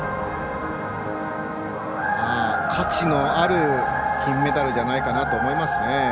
価値のある金メダルじゃないかなと思います。